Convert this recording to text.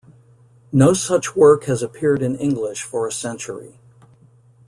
No such work has appeared in English for a century.